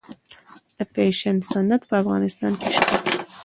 د فیشن صنعت په افغانستان کې شته؟